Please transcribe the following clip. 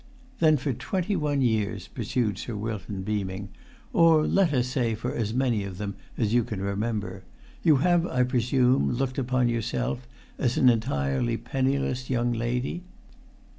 "Then for twenty one years," pursued Sir Wilton, beaming, "or let us say for as many of them as you can remember, you have, I presume, looked upon yourself as an entirely penniless young lady?